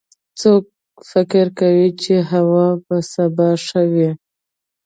څوک فکر کوي چې هوا به سبا ښه وي